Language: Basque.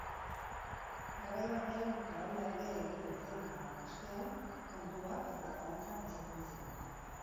Garai batean, parranda ereegiten zen eta ostean, kantuak etadantzak izaten ziren.